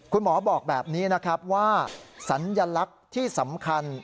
คุณหมอบอกแบบนี้นะครับว่าสัญลักษณ์ที่สำคัญ